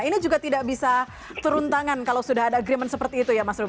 ini juga tidak bisa turun tangan kalau sudah ada agreement seperti itu ya mas ruby